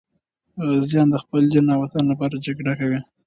غازیان د خپل دین او وطن لپاره جګړه کوي.